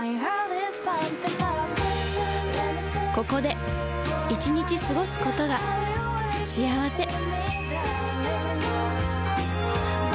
ここで１日過ごすことが幸せ